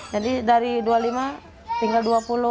jadi dari dua puluh lima tinggal dua puluh